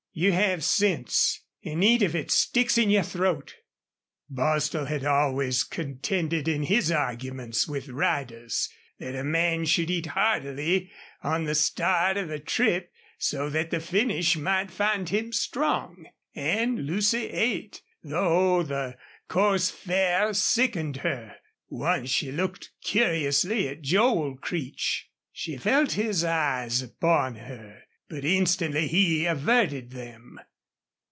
"You have sense an' eat if it sticks in your throat." Bostil had always contended in his arguments with riders that a man should eat heartily on the start of a trip so that the finish might find him strong. And Lucy ate, though the coarse fare sickened her. Once she looked curiously at Joel Creech. She felt his eyes upon her, but instantly he averted them.